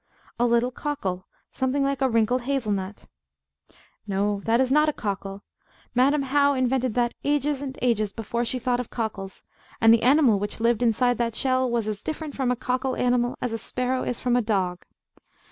A little cockle, something like a wrinkled hazel nut. No; that is no cockle. Madam How invented that ages and ages before she thought of cockles, and the animal which lived inside that shell was as different from a cockle animal as a sparrow is from a dog.